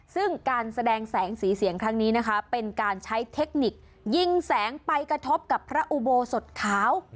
ซึ่งการแสดงแสงสีเสียงครั้งนี้นะคะเป็นการใช้เทคนิคยิงแสงไปกระทบกับพระอุโบสถขาว